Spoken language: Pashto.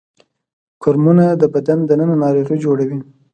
کرمونه د بدن دننه ناروغي جوړوي